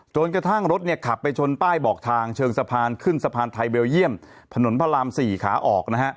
จนกระทั่งรถเนี่ยขับไปชนป้ายบอกทางเชิงสะพานขึ้นสะพานไทยเบลเยี่ยมถนนพระราม๔ขาออกนะฮะ